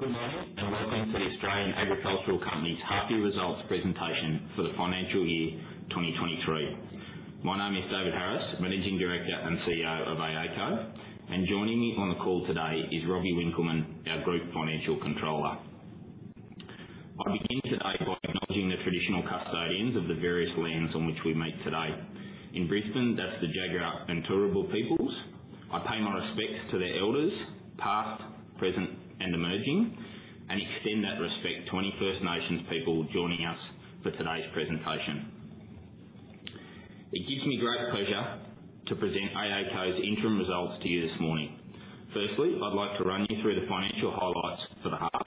Good morning, and welcome to the Australian Agricultural Company's half year results presentation for the financial year 2023. My name is David Harris, Managing Director and CEO of AACo, and joining me on the call today is Robbie Winckelmann, our Group Financial Controller. I begin today by acknowledging the traditional custodians of the various lands on which we meet today. In Brisbane, that's the Jagera and Turrbal peoples. I pay my respects to their elders, past, present, and emerging, and extend that respect to any First Nations people joining us for today's presentation. It gives me great pleasure to present AACo's interim results to you this morning. Firstly, I'd like to run you through the financial highlights for the half,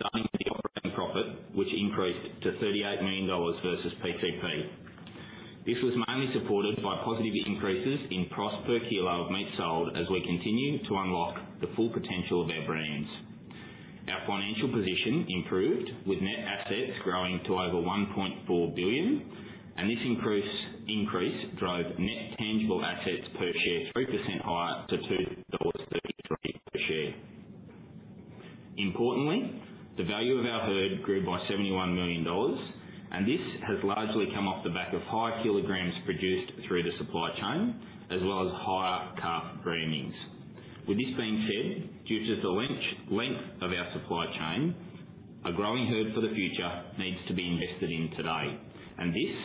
starting with the operating profit, which increased to 38 million dollars versus PCP. This was mainly supported by positive increases in price per kilo of meat sold as we continue to unlock the full potential of our brands. Our financial position improved with net assets growing to over 1.4 billion, and this increase drove net tangible assets per share 3% higher to AUD 2.33 per share. Importantly, the value of our herd grew by 71 million dollars, and this has largely come off the back of higher kilograms produced through the supply chain, as well as higher calf premium. With this being said, due to the length of our supply chain, a growing herd for the future needs to be invested in today. This,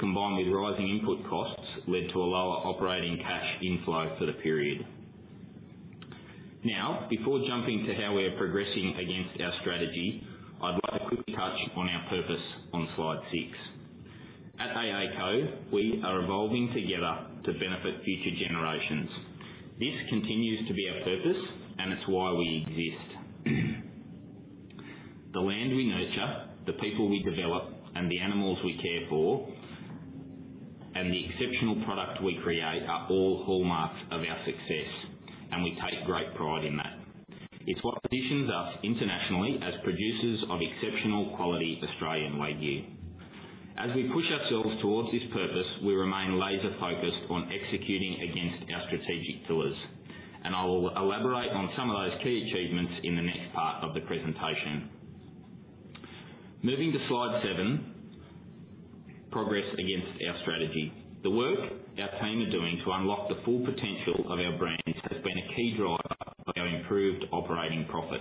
combined with rising input costs, led to a lower operating cash inflow for the period. Now, before jumping to how we are progressing against our strategy, I'd like to quickly touch on our purpose on slide six. At AACo, we are evolving together to benefit future generations. This continues to be our purpose, and it's why we exist. The land we nurture, the people we develop, and the animals we care for, and the exceptional product we create are all hallmarks of our success, and we take great pride in that. It's what positions us internationally as producers of exceptional quality Australian Wagyu. As we push ourselves towards this purpose, we remain laser focused on executing against our strategic pillars, and I will elaborate on some of those key achievements in the next part of the presentation. Moving to slide seven, progress against our strategy. The work our team are doing to unlock the full potential of our brands has been a key driver of our improved operating profit.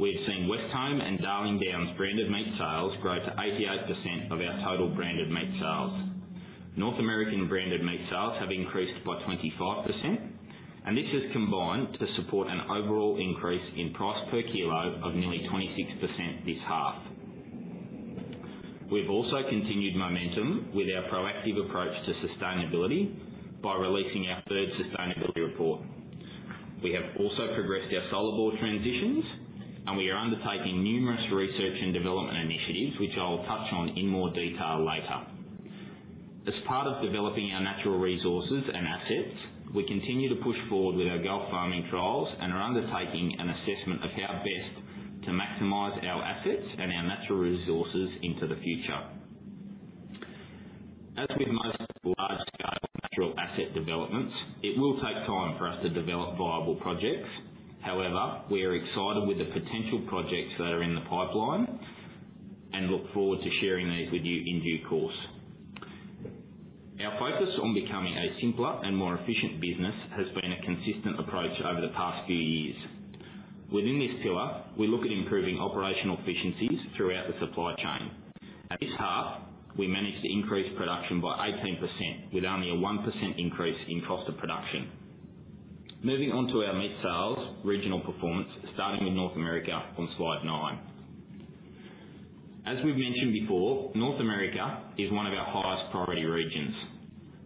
We've seen Westholme and Darling Downs branded meat sales grow to 88% of our total branded meat sales. North American branded meat sales have increased by 25%, and this has combined to support an overall increase in price per kilo of nearly 26% this half. We've also continued momentum with our proactive approach to sustainability by releasing our third sustainability report. We have also progressed our solar bore transitions, and we are undertaking numerous research and development initiatives, which I'll touch on in more detail later. As part of developing our natural resources and assets, we continue to push forward with our Gulf farming trials and are undertaking an assessment of how best to maximize our assets and our natural resources into the future. As with most large-scale natural asset developments, it will take time for us to develop viable projects. However, we are excited with the potential projects that are in the pipeline and look forward to sharing these with you in due course. Our focus on becoming a simpler and more efficient business has been a consistent approach over the past few years. Within this pillar, we look at improving operational efficiencies throughout the supply chain. This half, we managed to increase production by 18% with only a 1% increase in cost of production. Moving on to our meat sales regional performance, starting with North America on slide nine. As we've mentioned before, North America is one of our highest priority regions.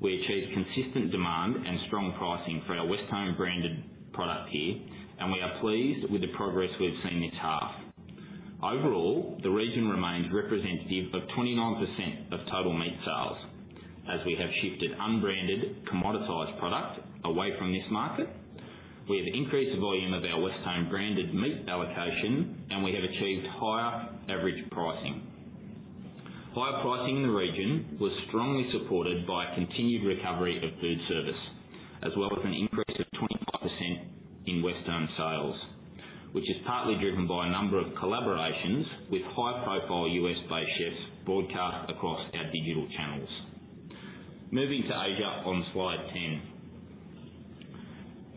We achieved consistent demand and strong pricing for our Westholme branded product here, and we are pleased with the progress we've seen this half. Overall, the region remains representative of 29% of total meat sales. As we have shifted unbranded commoditized product away from this market, we have increased the volume of our Westholme branded meat allocation, and we have achieved higher average pricing. Higher pricing in the region was strongly supported by a continued recovery of food service, as well as an increase of 25% in Westholme sales, which is partly driven by a number of collaborations with high-profile US-based chefs broadcast across our digital channels. Moving to Asia on slide 10.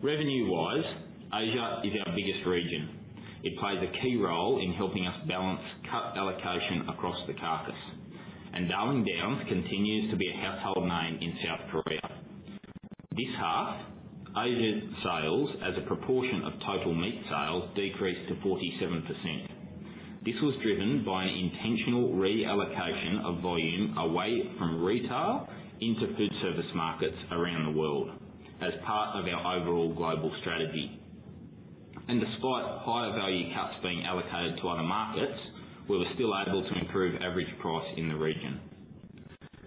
Revenue-wise, Asia is our biggest region. It plays a key role in helping us balance cut allocation across the carcass, and Darling Downs continues to be a household name in South Korea. This half, Asia sales as a proportion of total meat sales decreased to 47%. This was driven by an intentional reallocation of volume away from retail into food service markets around the world as part of our overall global strategy. Despite higher value cuts being allocated to other markets, we were still able to improve average price in the region.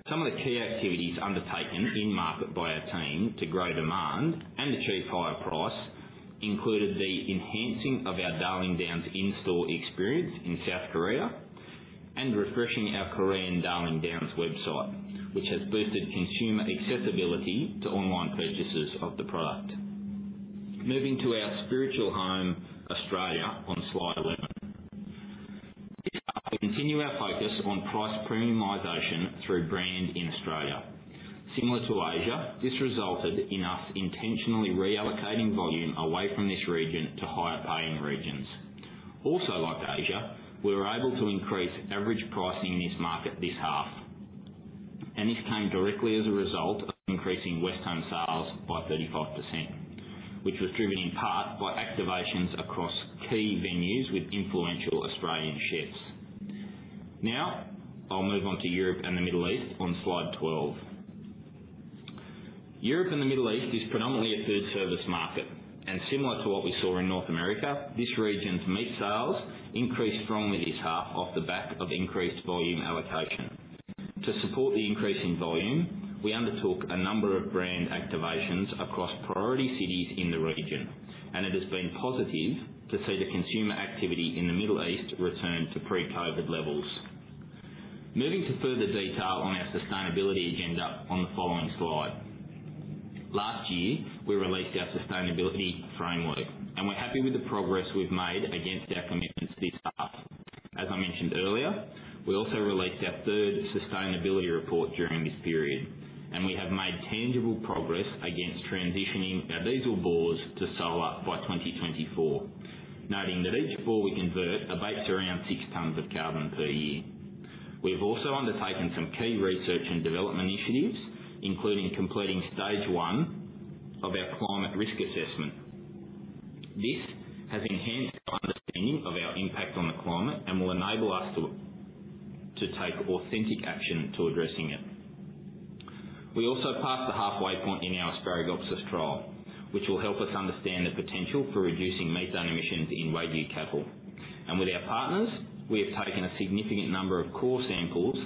Some of the key activities undertaken in-market by our team to grow demand and achieve higher price included the enhancing of our Darling Downs in-store experience in South Korea and refreshing our Korean Darling Downs website, which has boosted consumer accessibility to online purchases of the product. Moving to our spiritual home, Australia, on slide 11. This half, we continue our focus on price premiumization through brand in Australia. Similar to Asia, this resulted in us intentionally reallocating volume away from this region to higher paying regions. Also like Asia, we were able to increase average pricing in this market this half. This came directly as a result of increasing Westholme sales by 35%, which was driven in part by activations across key venues with influential Australian chefs. Now, I'll move on to Europe and the Middle East on slide 12. Europe and the Middle East is predominantly a food service market, and similar to what we saw in North America, this region's meat sales increased strongly this half off the back of increased volume allocation. To support the increase in volume, we undertook a number of brand activations across priority cities in the region, and it has been positive to see the consumer activity in the Middle East return to pre-COVID levels. Moving to further detail on our sustainability agenda on the following slide. Last year, we released our sustainability framework, and we're happy with the progress we've made against our commitments this half. As I mentioned earlier, we also released our third sustainability report during this period, and we have made tangible progress against transitioning our diesel bores to solar by 2024. Noting that each bore we convert abates around 6 tons of carbon per year. We have also undertaken some key research and development initiatives, including completing stage one of our climate risk assessment. This has enhanced our understanding of our impact on the climate and will enable us to take authentic action to addressing it. We also passed the halfway point in our Asparagopsis trial, which will help us understand the potential for reducing methane emissions in Wagyu cattle. With our partners, we have taken a significant number of core samples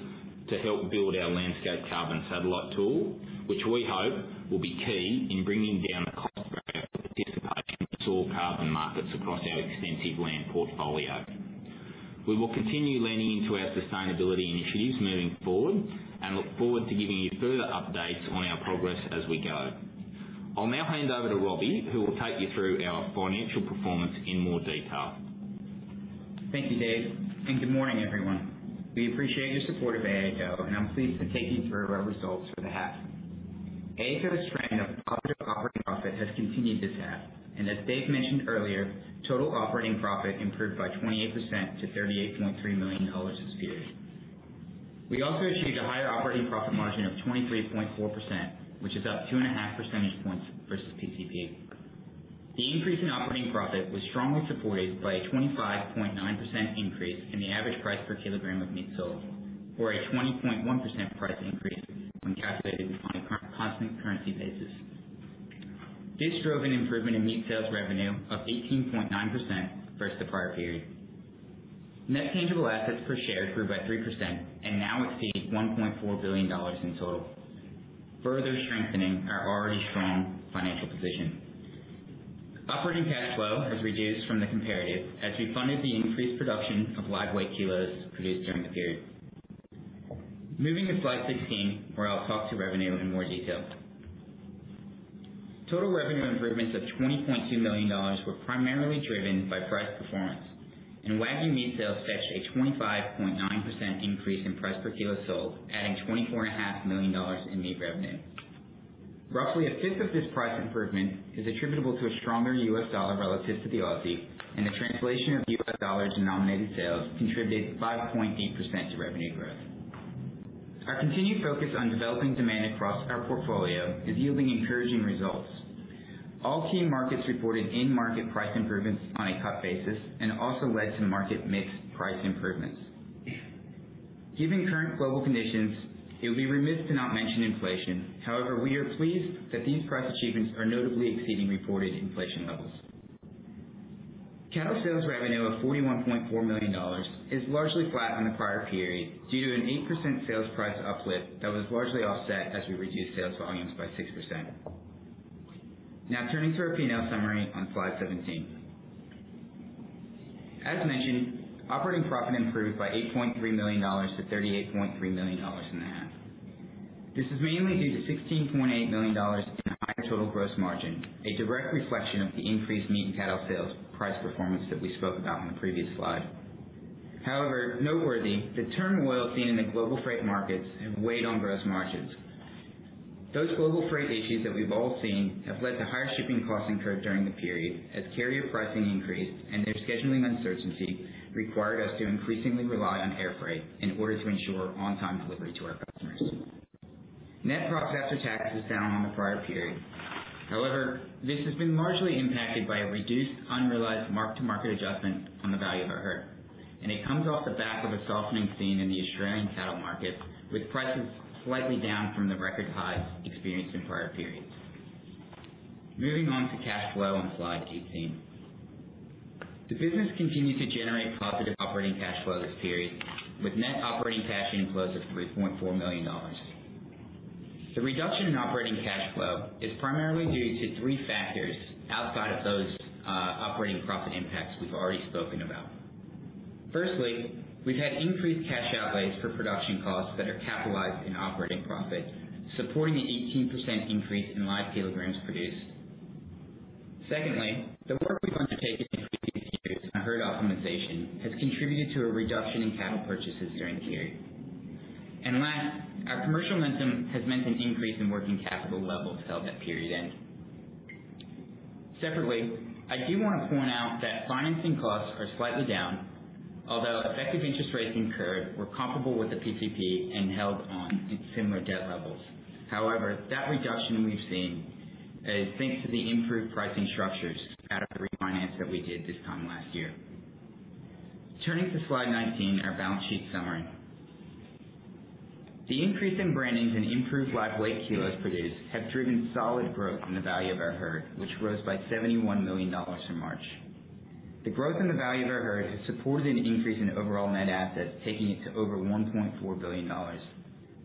to help build our landscape carbon satellite tool, which we hope will be key in bringing down the cost of our participation in soil carbon markets across our extensive land portfolio. We will continue leaning into our sustainability initiatives moving forward and look forward to giving you further updates on our progress as we go. I'll now hand over to Robbie, who will take you through our financial performance in more detail. Thank you, Dave, and good morning, everyone. We appreciate your support of AACo, and I'm pleased to take you through our results for the half. AACo's trend of positive operating profit has continued this half, and as Dave mentioned earlier, total operating profit improved by 28% to 38.3 million dollars this period. We also achieved a higher operating profit margin of 23.4%, which is up 2.5 percentage points versus PCP. The increase in operating profit was strongly supported by a 25.9% increase in the average price per kilogram of meat sold or a 20.1% price increase when calculated on a constant currency basis. This drove an improvement in meat sales revenue of 18.9% versus the prior period. Net tangible assets per share grew by 3% and now exceed 1.4 billion dollars in total, further strengthening our already strong financial position. Operating cash flow has reduced from the comparative as we funded the increased production of live weight kilos produced during the period. Moving to slide 16, where I'll talk to revenue in more detail. Total revenue improvements of 20.2 million dollars were primarily driven by price performance. Wagyu meat sales fetched a 25.9% increase in price per kilo sold, adding 24.5 million dollars in meat revenue. Roughly a fifth of this price improvement is attributable to a stronger US dollar relative to the Aussie, and the translation of US dollars in nominated sales contributed 5.8% to revenue growth. Our continued focus on developing demand across our portfolio is yielding encouraging results. All key markets reported in-market price improvements on a cut basis and also led to market mix price improvements. Given current global conditions, it would be remiss to not mention inflation. However, we are pleased that these price achievements are notably exceeding reported inflation levels. Cattle sales revenue of 41.4 million dollars is largely flat on the prior period due to an 8% sales price uplift that was largely offset as we reduced sales volumes by 6%. Now turning to our P&L summary on slide 17. As mentioned, operating profit improved by 8.3 million dollars to 38.3 million dollars in the half. This is mainly due to 16.8 million dollars in higher total gross margin, a direct reflection of the increased meat and cattle sales price performance that we spoke about on the previous slide. However, noteworthy, the turmoil seen in the global freight markets have weighed on gross margins. Those global freight issues that we've all seen have led to higher shipping costs incurred during the period, as carrier pricing increased and their scheduling uncertainty required us to increasingly rely on air freight in order to ensure on-time delivery to our customers. Net profit after tax was down on the prior period. However, this has been marginally impacted by a reduced unrealized mark-to-market adjustment on the value of our herd. It comes off the back of a softening seen in the Australian cattle market, with prices slightly down from the record highs experienced in prior periods. Moving on to cash flow on slide 18. The business continued to generate positive operating cash flow this period with net cash AUD 4 million. The reduction in operating cash flow is primarily due to three factors outside of those, operating profit impacts we've already spoken about. Firstly, we've had increased cash outlays for production costs that are capitalized in operating profit, supporting the 18% increase in live kilograms produced. Secondly, the work we've undertaken in previous years on herd optimization has contributed to a reduction in cattle purchases during the period. Last, our commercial momentum has meant an increase in working capital levels held at period end. Separately, I do want to point out that financing costs are slightly down, although effective interest rates incurred were comparable with the PCP and held on at similar debt levels. However, that reduction we've seen is thanks to the improved pricing structures out of the refinance that we did this time last year. Turning to slide 19, our balance sheet summary. The increase in brandings and improved live weight kilos produced have driven solid growth in the value of our herd, which rose by AUD 71 million in March. The growth in the value of our herd has supported an increase in overall net assets, taking it to over 1.4 billion dollars,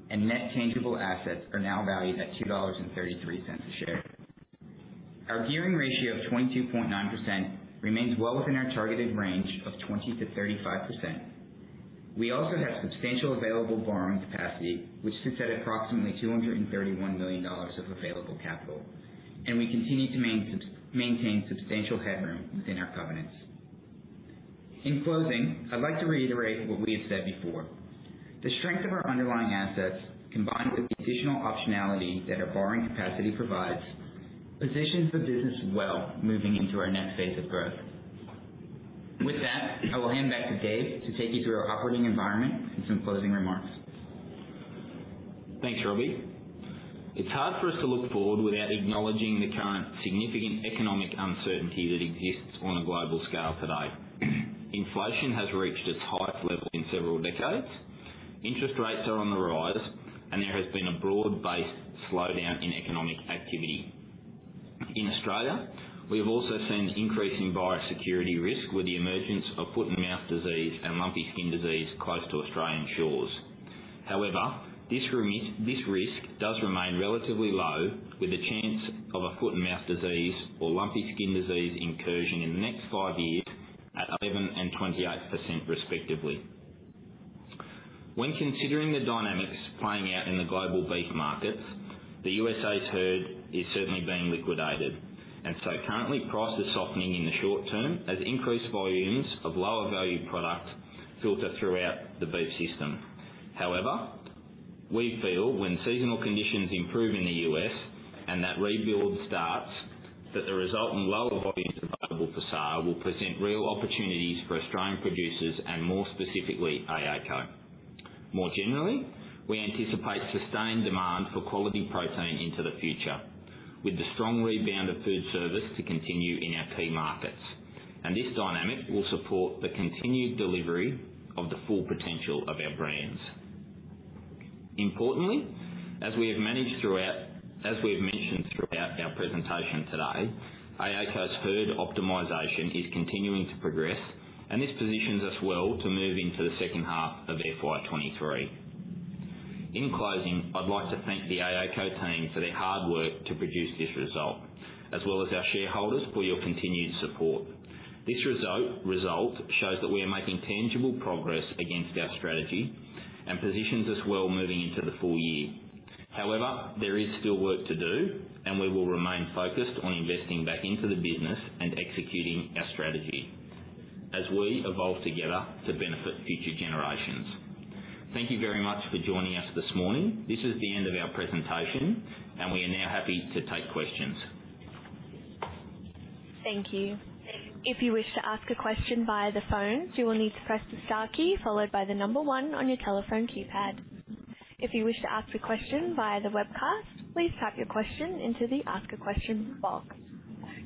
and net tangible assets are now valued at 2.33 dollars a share. Our gearing ratio of 22.9% remains well within our targeted range of 20%-35%. We also have substantial available borrowing capacity, which sits at approximately 231 million dollars of available capital, and we continue to maintain substantial headroom within our covenants. In closing, I'd like to reiterate what we have said before. The strength of our underlying assets, combined with the additional optionality that our borrowing capacity provides, positions the business well moving into our next phase of growth. With that, I will hand back to Dave to take you through our operating environment and some closing remarks. Thanks, Robbie. It's hard for us to look forward without acknowledging the current significant economic uncertainty that exists on a global scale today. Inflation has reached its highest level in several decades. Interest rates are on the rise, and there has been a broad-based slowdown in economic activity. In Australia, we have also seen increasing biosecurity risk with the emergence of foot-and-mouth disease and lumpy skin disease close to Australian shores. However, this risk does remain relatively low, with a chance of a foot-and-mouth disease or lumpy skin disease incursion in the next five years at 11% and 28% respectively. When considering the dynamics playing out in the global beef markets, the US's herd is certainly being liquidated. Currently, price is softening in the short term as increased volumes of lower valued product filter throughout the beef system. However, we feel when seasonal conditions improve in the US and that rebuild starts, that the resulting lower volumes available for sale will present real opportunities for Australian producers and, more specifically, AACo. More generally, we anticipate sustained demand for quality protein into the future, with the strong rebound of food service to continue in our key markets. This dynamic will support the continued delivery of the full potential of our brands. Importantly, as we have mentioned throughout our presentation today, AACo's herd optimization is continuing to progress, and this positions us well to move into the H2 of FY 2023. In closing, I'd like to thank the AACo team for their hard work to produce this result, as well as our shareholders for your continued support. This result shows that we are making tangible progress against our strategy and positions us well moving into the full year. However, there is still work to do, and we will remain focused on investing back into the business and executing our strategy as we evolve together to benefit future generations. Thank you very much for joining us this morning. This is the end of our presentation, and we are now happy to take questions. Thank you. If you wish to ask a question via the phone, you will need to press the star key followed by the number one on your telephone keypad. If you wish to ask a question via the webcast, please type your question into the Ask a Question box.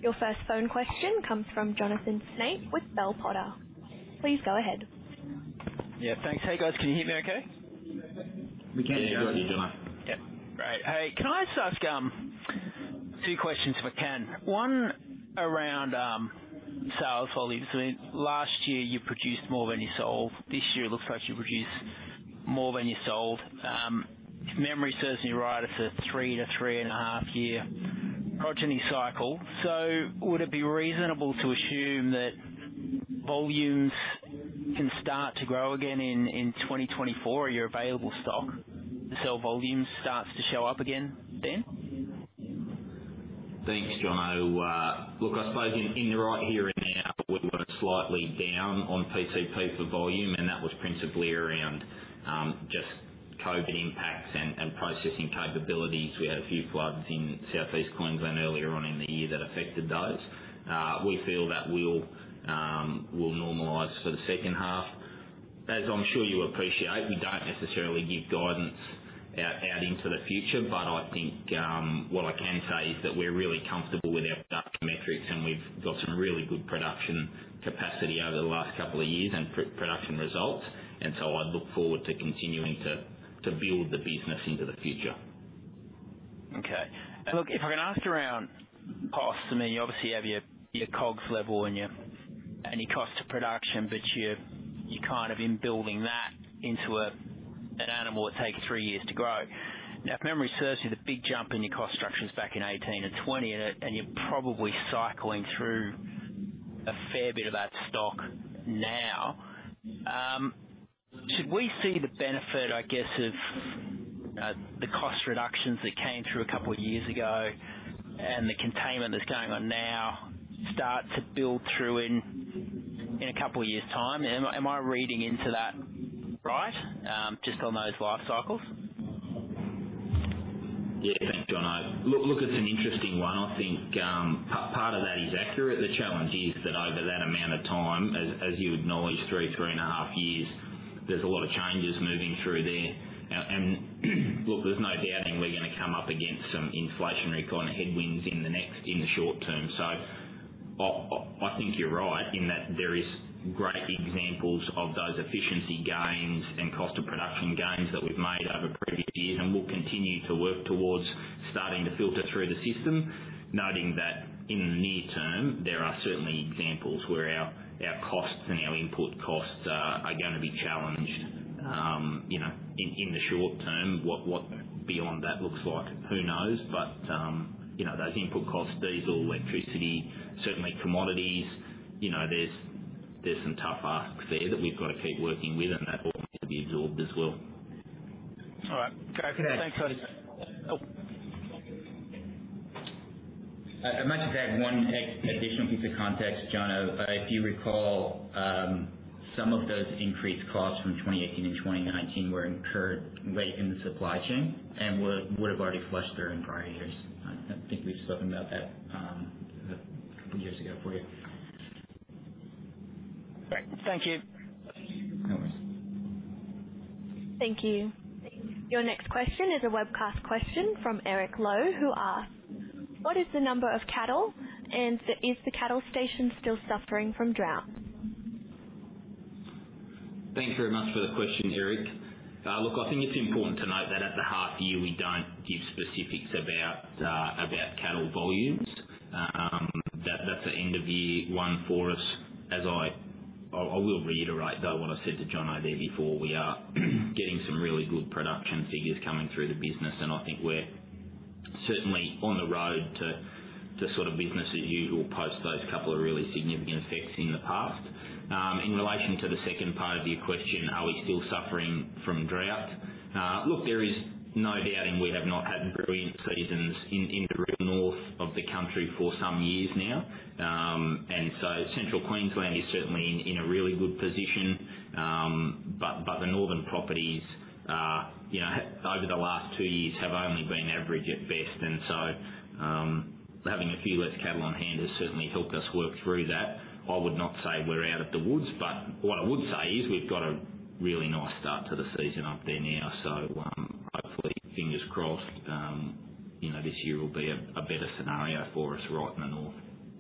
Your first phone question comes from Jonathan Snape with Bell Potter. Please go ahead. Yeah, thanks. Hey, guys. Can you hear me okay? We can. Yeah, we can hear you, Jon. Yeah. Great. Hey, can I just ask two questions if I can. One around sales volumes. Last year, you produced more than you sold. This year it looks like you produced more than you sold. If memory serves me right, it's a three to three and a half year progeny cycle. Would it be reasonable to assume that volumes can start to grow again in 2024, your available stock, the sales volume starts to show up again then? Thanks, Jono. Look, I suppose in the right here and now, we're slightly down on PCP for volume, and that was principally around just COVID impacts and processing capabilities. We had a few floods in Southeast Queensland earlier on in the year that affected those. We feel that will normalize for the H2. As I'm sure you appreciate, we don't necessarily give guidance out into the future, but I think what I can say is that we're really comfortable with our production metrics, and we've got some really good production capacity over the last couple of years and strong production results. I look forward to continuing to build the business into the future. Okay. Look, if I can ask around costs, I mean, you obviously have your COGS level and your cost to production, but you're kind of in building that into an animal that takes three years to grow. Now, if memory serves you, the big jump in your cost structure was back in 2018 and 2020, and you're probably cycling through a fair bit of that stock now. Should we see the benefit, I guess, of the cost reductions that came through a couple of years ago and the containment that's going on now start to build through in a couple of years' time? Am I reading into that right, just on those life cycles? Yeah. Thanks, Jono. Look, it's an interesting one. I think part of that is accurate. The challenge is that over that amount of time, as you acknowledge, three and a half years, there's a lot of changes moving through there. Look, there's no doubting we're going to come up against some inflationary kind of headwinds in the short term. I think you're right in that there is great examples of those efficiency gains and cost of production gains that we've made over previous years and will continue to work towards starting to filter through the system. Noting that in the near term, there are certainly examples where our costs and our input costs are going to be challenged, you know, in the short term. What beyond that looks like, who knows? You know, those input costs, diesel, electricity, certainly commodities, you know, there's some tough asks there that we've got to keep working with, and that will need to be absorbed as well. All right. Okay. Okay. Thanks, Harris. I might just add one additional piece of context, Jono. If you recall, some of those increased costs from 2018 and 2019 were incurred late in the supply chain and would've already flushed through in prior years. I think we've spoken about that a couple years ago for you. Great. Thank you. No worries. Thank you. Your next question is a webcast question from Eric Lowe, who asks, "What is the number of cattle, and is the cattle station still suffering from drought? Thanks very much for the question, Eric. Look, I think it's important to note that at the half year, we don't give specifics about cattle volumes. That's an end of year one for us. I will reiterate, though, what I said to Jono there before. We are getting some really good production figures coming through the business, and I think we're certainly on the road to sort of business as usual post those couple of really significant effects in the past. In relation to the second part of your question, are we still suffering from drought? Look, there is no doubting we have not had brilliant seasons in the far north of the country for some years now. Central Queensland is certainly in a really good position. But the northern properties, you know, over the last two years have only been average at best. Having a few less cattle on hand has certainly helped us work through that. I would not say we're out of the woods, but what I would say is we've got a really nice start to the season up there now. Hopefully, fingers crossed, you know, this year will be a better scenario for us right in the north.